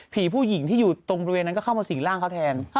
ผู้หญิงที่อยู่ตรงบริเวณนั้นก็เข้ามาสิ่งร่างเขาแทน